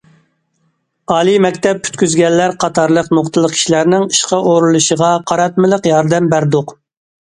ئالىي مەكتەپ پۈتكۈزگەنلەر قاتارلىق نۇقتىلىق كىشىلەرنىڭ ئىشقا ئورۇنلىشىشىغا قاراتمىلىق ياردەم بەردۇق.